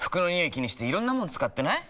気にしていろんなもの使ってない？